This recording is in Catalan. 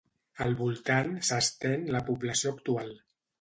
Al voltant s'estén la població actual.